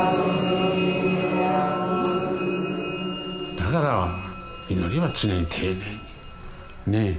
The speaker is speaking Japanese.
だから祈りは常に丁寧にね。